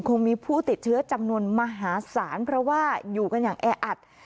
คงมีผู้ติดเชื้อจำนวนมหาศาลเพราะว่าอยู่กันอย่างแออัด